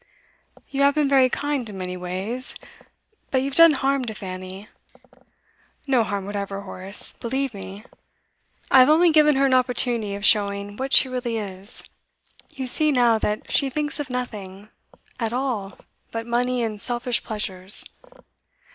'You have been very kind, in many ways. But you've done harm to Fanny ' 'No harm whatever, Horace believe me. I have only given her an opportunity of showing what she really is. You see now that she thinks of nothing at all but money and selfish pleasures.